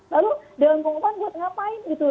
lalu dewan pengupahan buat ngapain gitu